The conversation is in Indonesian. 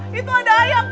mana takut itu ada ayam